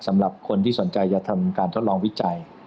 สำหรับคนที่สนใจจะทำการทดลองวิจัย